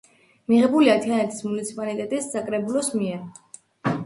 მიღებულია თიანეთის მუნიციპალიტეტის საკრებულოს მიერ.